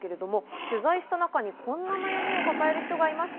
取材した中にこんな悩みを抱える人がいました。